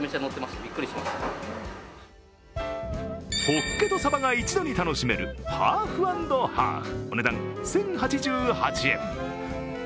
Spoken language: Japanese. ホッケとサバが一度に楽しめるハーフ＆ハーフ、お値段１０８８円。